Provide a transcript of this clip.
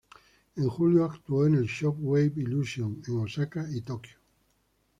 En julio, actuó en el Shock Wave Illusion en Osaka y Tokio.